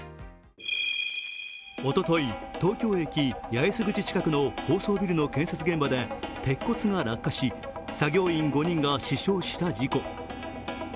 おととい、東京駅八重洲口近くの高層ビルの建設現場で鉄骨が落下し、作業員５人が死傷した事故。